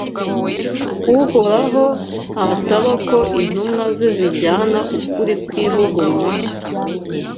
Uhoraho ntasaba ko intumwa ze zijyana ukuri kw’ivugurura